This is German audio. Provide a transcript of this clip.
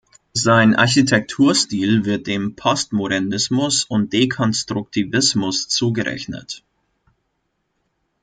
Sein Architekturstil wird dem Postmodernismus und Dekonstruktivismus zugerechnet.